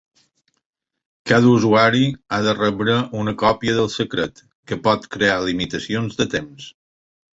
Cada usuari ha de rebre una còpia del secret, que pot crear limitacions de temps.